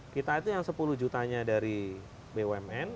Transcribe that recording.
kita itu yang sepuluh jutanya dari bumn